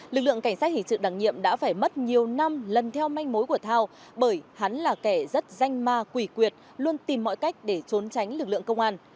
lực lượng cảnh sát hỷ sự đáng nhiệm đã phải mất nhiều năm lần theo manh mối của thao bởi hắn là kẻ rất danh ma quỷ quyệt luôn tìm mọi cách để trốn tránh lực lượng công an